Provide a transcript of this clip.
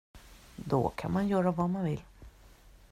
Då kan man göra vad man vill.